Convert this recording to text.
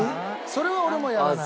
それは俺もやらない。